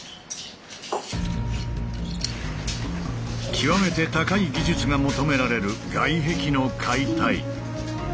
極めて高い技術が求められる外壁の解体。